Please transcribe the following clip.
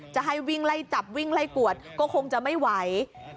จะให้วิ่งไล่จับวิ่งไล่กวดก็คงจะไม่ไหว